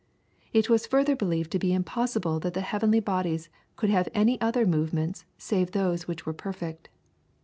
It was further believed to be impossible that the heavenly bodies could have any other movements save those which were perfect.